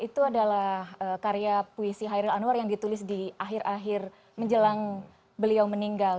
itu adalah karya puisi hairil anwar yang ditulis di akhir akhir menjelang beliau meninggal